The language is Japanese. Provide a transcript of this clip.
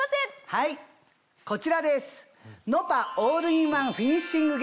はいこちらです。